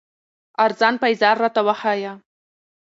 ارزان پېزار راته وښايه